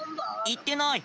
言ってない。